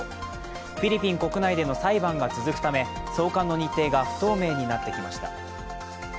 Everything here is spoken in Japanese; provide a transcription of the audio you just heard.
フィリピン国内での裁判が続くため、送還の日程が不透明になってきました。